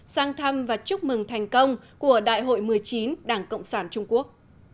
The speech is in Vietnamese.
sang thăm và chúc mừng thành công của đại hội một mươi chín đảng cộng sản trung quốc